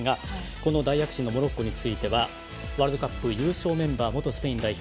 この大躍進のモロッコについてはワールドカップ優勝メンバー元スペイン代表